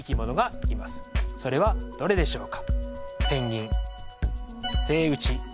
それはどれでしょうか。